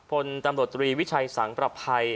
พลตำรวจตรีวิชัยสังประภัย